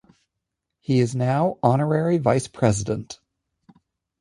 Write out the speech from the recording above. He is now Honorary Vice-President.